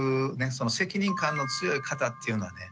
その責任感の強い方っていうのはね